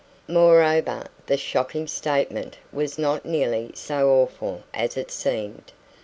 Moreover, the shocking statement was not nearly so awful as it seemed.